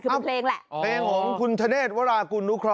คือเป็นเพลงแหละอ๋อคุณทะเนศวรากุลลุคร้อ